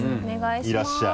いらっしゃい。